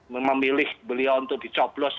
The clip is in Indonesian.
memilih beliau untuk dicoplos